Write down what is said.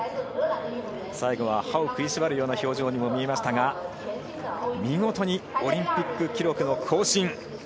最後は歯を食いしばるような表情にも見えましたが、見事にオリンピック記録の更新。